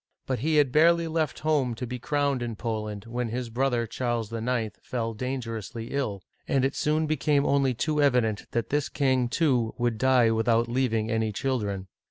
But he had barely left home to be crowned in Poland, when his brother Charles IX. fell dangerously ill, and it soon became only too evident that this king, too, would die without leaving any. children.